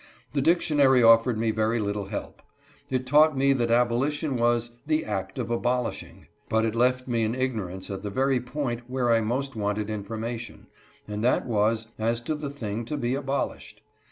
The dictionary offered me very little help. It taught me that abolition was " the act of abolishing ;" but it left me in ignorance at the very point where I most wanted information, and that was, as to the thing to be abolished.